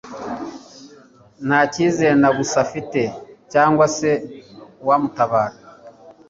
nta n'icyizere na busa afite cyangwa se uwamutabara